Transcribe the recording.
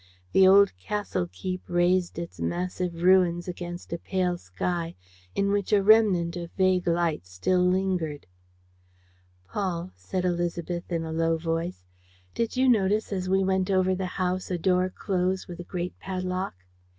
The old castle keep raised its massive ruins against a pale sky, in which a remnant of vague light still lingered. "Paul," said Élisabeth, in a low voice, "did you notice, as we went over the house, a door closed with a great padlock?"